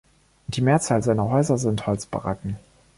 Die Mehrzahl seiner Häuser sind Holzbaracken.